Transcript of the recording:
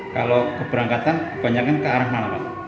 kalau keberangkatan kebanyakan ke arah mana pak